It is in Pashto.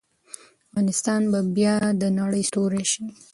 افغانستان به بیا د نړۍ ستوری شي.